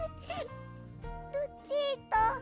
ルチータ。